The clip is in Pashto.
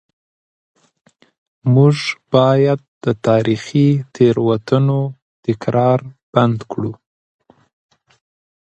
موږ باید د تاریخي تېروتنو تکرار بند کړو.